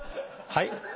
はい？